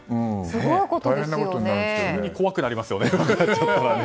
急に怖くなりますよね。